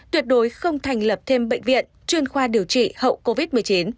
tuyệt đối không thành lập thêm bệnh viện chuyên khoa điều trị hậu covid một mươi chín